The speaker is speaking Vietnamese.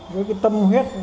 với cái tâm huyết